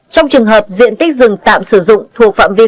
trong trường hợp diện tích rừng tạm sử dụng thuộc phạm vi